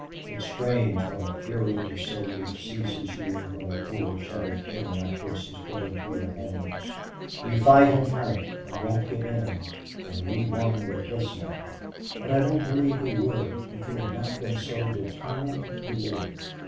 It's strange what a fury to save seizes you when a poor shattered thing like this is put into your hands. You fight and fight and won't give in, and we won with this man, but I don't believe we would if he had not been so determined to live.